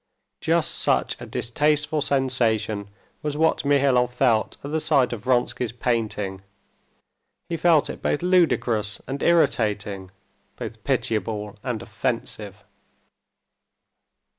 Just such a distasteful sensation was what Mihailov felt at the sight of Vronsky's painting: he felt it both ludicrous and irritating, both pitiable and offensive.